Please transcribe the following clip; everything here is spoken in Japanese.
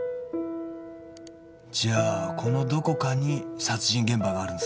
じゃあこのどこかに殺人現場があるんですね。